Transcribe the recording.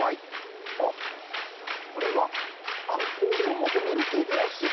あっこれはアンコールを求める手拍子。